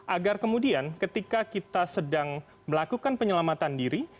agar kemudian ketika kita sedang melakukan penyelamatan diri